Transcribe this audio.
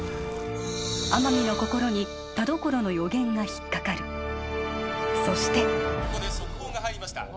天海の心に田所の予言が引っかかるそしてここで速報が入りました